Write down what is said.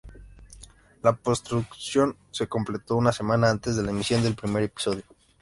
La postproducción se completó una semana antes de la emisión del primer episodio.